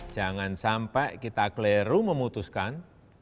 jangan sampai kita keleru memutuskan